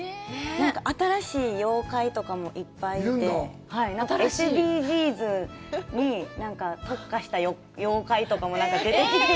なんか、新しい妖怪とかもいっぱいいて、ＳＤＧｓに特化した妖怪とかも出てきて。